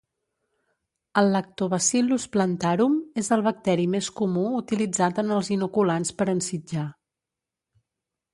El "Lactobacillus plantarum" és el bacteri més comú utilitzat en els inoculants per ensitjar.